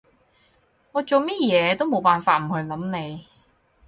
我做咩嘢都冇辦法唔去諗你